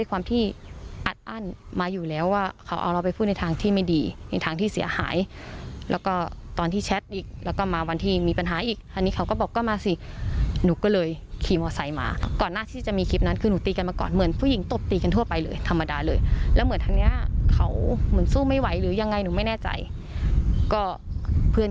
ความที่อัดอั้นมาอยู่แล้วว่าเขาเอาเราไปพูดในทางที่ไม่ดีในทางที่เสียหายแล้วก็ตอนที่แชทอีกแล้วก็มาวันที่มีปัญหาอีกอันนี้เขาก็บอกก็มาสิหนูก็เลยขี่มอไซค์มาก่อนหน้าที่จะมีคลิปนั้นคือหนูตีกันมาก่อนเหมือนผู้หญิงตบตีกันทั่วไปเลยธรรมดาเลยแล้วเหมือนทางเนี้ยเขาเหมือนสู้ไม่ไหวหรือยังไงหนูไม่แน่ใจก็เพื่อน